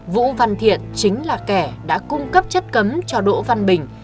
vũ văn thiện chính là kẻ đã cung cấp chất cấm cho đỗ văn bình